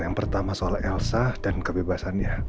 yang pertama soal elsah dan kebebasannya